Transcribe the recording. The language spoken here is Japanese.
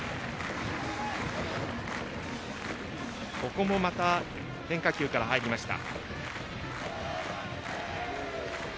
ここも変化球から入りました。